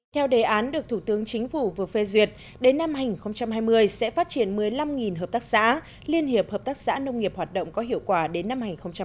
theo đề án được thủ tướng chính phủ vừa phê duyệt đến năm hai nghìn hai mươi sẽ phát triển một mươi năm hợp tác xã liên hiệp hợp tác xã nông nghiệp hoạt động có hiệu quả đến năm hai nghìn hai mươi